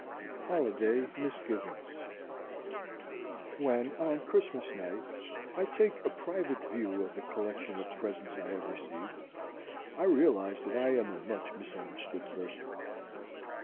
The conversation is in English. HOLIDAY MISGIVINGS When, on Christmas night, I take a private view of the collection of presents I have received, I realize that I am a much misunderstood person.